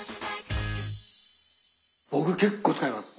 僕結構使います。